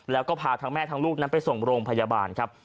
แล้วก็พาทั้งแม่ทั้งลูกนั้นไปส่งโรงพยาบาลครับ